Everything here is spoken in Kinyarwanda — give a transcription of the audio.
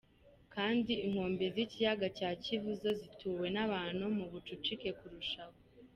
Kandi inkombe z'ikiyaga cya Kivu zo zituwe n'abantu mu bucucike kurushaho.